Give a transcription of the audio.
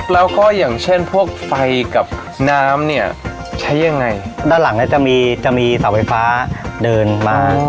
แล้วก็อย่างเช่นพวกไฟกับน้ำเนี่ยใช้ยังไงด้านหลังเนี่ยจะมีจะมีเสาไฟฟ้าเดินมา